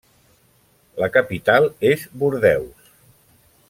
La capital és Bordeus.